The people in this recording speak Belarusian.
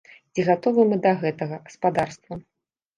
Ці гатовы мы да гэтага, спадарства?